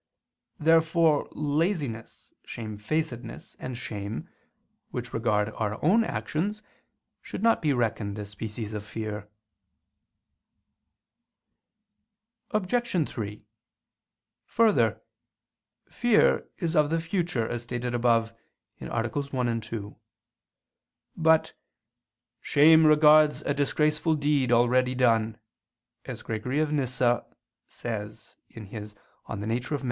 Therefore laziness, shamefacedness, and shame, which regard our own actions, should not be reckoned as species of fear. Obj. 3: Further, fear is of the future, as stated above (AA. 1, 2). But "shame regards a disgraceful deed already done," as Gregory of Nyssa [*Nemesius, De Nat. Hom.